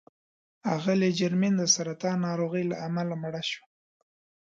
اغلې جرمین د سرطان ناروغۍ له امله مړه شوه.